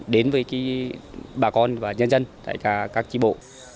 đến với bà con và nhân dân tại các trí bộ